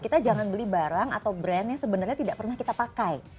kita jangan beli barang atau brand yang sebenarnya tidak pernah kita pakai